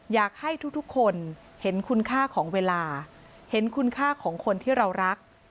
อยากให้ทุกคนเห็นคุณค่าของเวลาเห็นคุณค่าของคนที่เรารัก